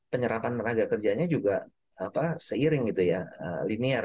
penyerapan tenaga kerjanya juga seiring linear